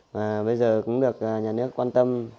mà bây giờ cũng được nhà nước quan tâm